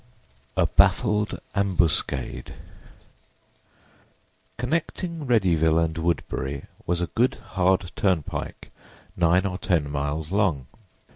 A BAFFLED AMBUSCADE CONNECTING Readyville and Woodbury was a good, hard turnpike nine or ten miles long.